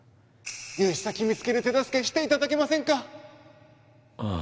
融資先見つける手助けしていただけまああ。